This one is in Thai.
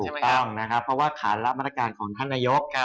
ถูกต้องนะครับเพราะว่าขานรับมาตรการของท่านนายก